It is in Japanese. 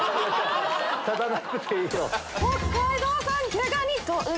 立たなくていいよ。